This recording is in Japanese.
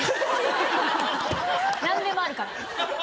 何でもあるから。